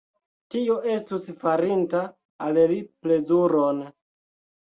Tio estus farinta al li plezuron.